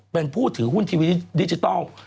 เป็นผู้ถือหุ้นทีวีดิจิทัล